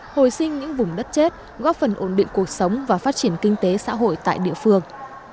hồi sinh những vùng đất chết góp phần ổn định cuộc sống và phát triển kinh tế xã hội tại địa phương